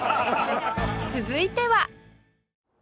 続いては